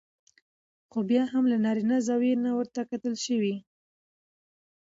خو بيا هم له نارينه زاويې نه ورته کتل شوي